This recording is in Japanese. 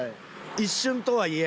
一瞬とはいえ。